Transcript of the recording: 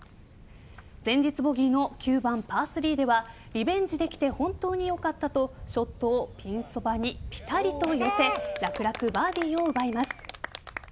前日ボギーの９番、パー３ではリベンジできて本当によかったとショットをピンそばにピタリと寄せ楽々バーディーを奪います。